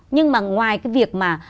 nhưng mà ngoài cái việc mà